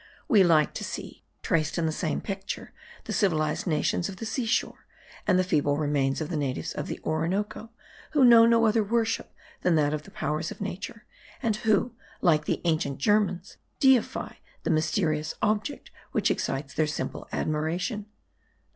We like to see, traced in the same picture, the civilized nations of the sea shore, and the feeble remains of the natives of the Orinoco, who know no other worship than that of the powers of nature; and who, like the ancient Germans, deify the mysterious object which excites their simple admiration.